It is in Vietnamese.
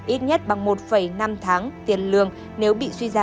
ít nhất bằng một năm tháng tiền lương